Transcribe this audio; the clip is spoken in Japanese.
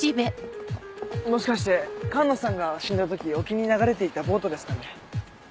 もしかして寒野さんが死んだ時沖に流れて行ったボートですかね？